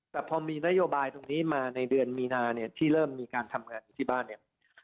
แต่พอมีนโยบายตรงนี้มาในเดือนมีนาเนี่ยที่เริ่มมีการทำงานอยู่ที่บ้านเนี่ย